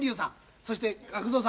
そして額蔵さん。